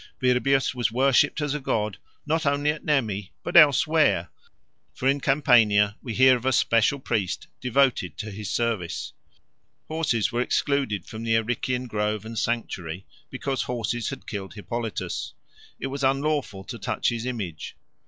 Virbius was worshipped as a god not only at Nemi but elsewhere; for in Campania we hear of a special priest devoted to his service. Horses were excluded from the Arician grove and sanctuary because horses had killed Hippolytus. It was unlawful to touch his image.